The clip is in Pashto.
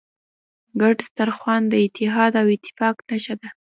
ګډ سترخوان د اتحاد او اتفاق نښه ده.